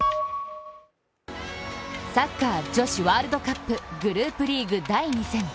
サッカー女子ワールドカップグループリーグ第２戦。